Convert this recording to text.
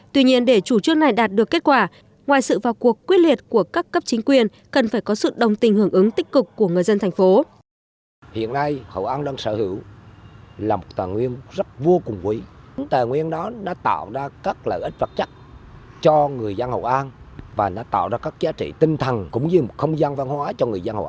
tuy nhiên để chủ trương này đạt được kết quả ngoài sự vào cuộc quyết liệt của các cấp chính quyền cần phải có sự đồng tình hưởng ứng tích cực của người dân thành phố